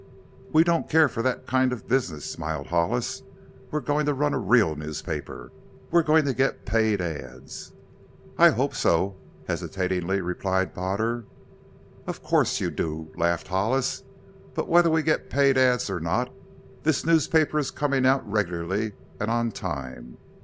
"We don't care for that kind of business," smiled Hollis; "we're going to run a real newspaper. We're going to get paid ads!" "I hope so," hesitatingly replied Potter. "Of course you do," laughed Hollis; "but whether we get paid ads or not this newspaper is coming out regularly and on time.